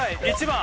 １番。